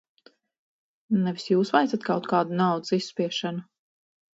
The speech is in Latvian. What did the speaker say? Nevis jūs veicat kaut kādu naudas izspiešanu?